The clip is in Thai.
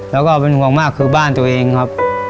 แล้วก็เป็นห่วงมากคือบ้านตัวเองครับ